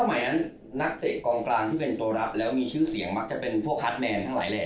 หมายนั้นนักเตะกองกลางที่เป็นตัวรับแล้วมีชื่อเสียงมักจะเป็นพวกคาร์ดแมนทั้งหลายแหล่